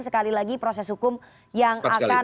sekali lagi proses hukum yang akan